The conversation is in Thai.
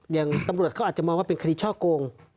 อย่างตำรวจเขาอาจจะมองว่าเป็นคดีช่อโกง